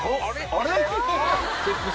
あれ？